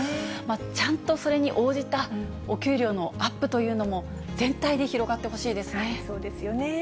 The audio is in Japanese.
ちゃんとそれに応じた、お給料のアップというのも、そうですよね。